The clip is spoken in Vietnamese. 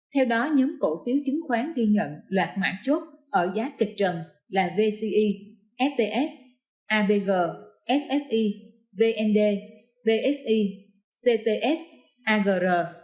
theo đó nhóm cổ phiếu chứng khoán ghi nhận loạt mạng chốt ở giá kịch trần là vce sts avg sse vnd vse cts agr